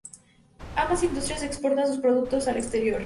Ambas industrias exportan sus productos al exterior.